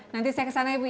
nanti saya kesana ibu ya